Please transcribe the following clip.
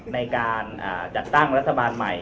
ในการจัดตั้งรัฐบาลใหม่